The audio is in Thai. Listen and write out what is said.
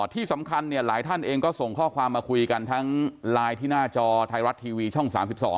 ที่สำคัญเนี่ยหลายท่านเองก็ส่งข้อความมาคุยกันทั้งไลน์ที่หน้าจอไทยรัฐทีวีช่อง๓๒